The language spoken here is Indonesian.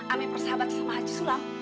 ame persahabat sama haji sulam